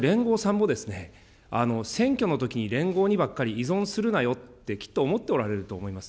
恐らく連合さんも選挙のときに連合にばっかり依存するなよって、きっと思っておられると思います。